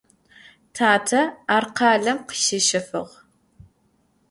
Tate ar khalem khışişefığ.